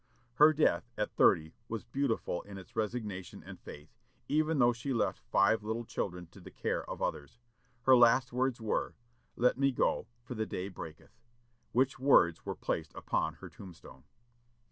Her death, at thirty, was beautiful in its resignation and faith, even though she left five little children to the care of others. Her last words were, "Let me go, for the day breaketh," which words were placed upon her tombstone.